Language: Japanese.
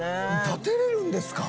建てれるんですか？